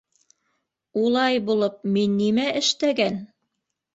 Ула-ай булып, мин нимә эштәгән?